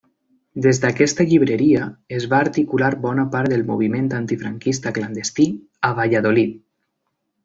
Des d'aquesta llibreria es va articular bona part del moviment antifranquista clandestí a Valladolid.